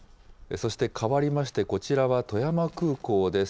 そしてかわりまして、こちらは富山空港です。